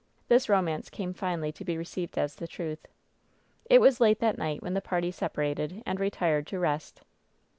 This romance came finally to be received ^ the truth. It was late that night when the party separated and retired to rest.